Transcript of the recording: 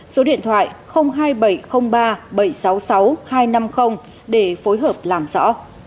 số điện thoại hai nghìn bảy trăm linh ba bảy trăm sáu mươi sáu hai trăm năm mươi để phối hợp làm rõ